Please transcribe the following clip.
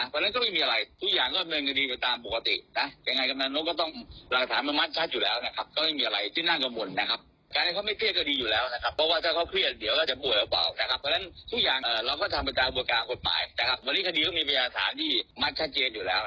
ไปฟังกันหน่อยค่ะ